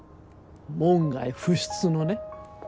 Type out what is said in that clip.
門外不出のね。